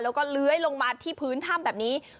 แล้วก็เลื้อยลงมาที่พื้นถ้ำแบบนี้